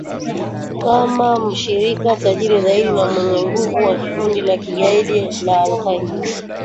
kama mshirika tajiri zaidi na mwenye nguvu wa kundi la kigaidi la al-Qaida